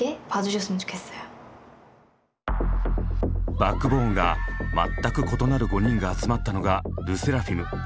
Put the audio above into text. バックボーンが全く異なる５人が集まったのがＬＥＳＳＥＲＡＦＩＭ。